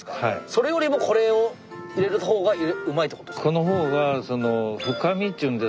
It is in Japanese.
それよりもこれを入れるほうがうまいってことですか？